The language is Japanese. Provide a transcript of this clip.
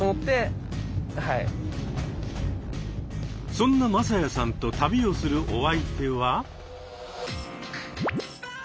そんな匡哉さんと旅をするお相手は。